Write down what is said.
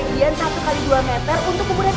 ini pak sahut